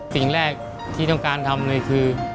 สิ่งแรกที่ต้องการทำเลยคือ